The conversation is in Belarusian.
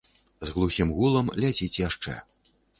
З глухім гулам ляціць яшчэ.